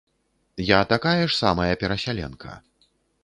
Я такая ж самая перасяленка.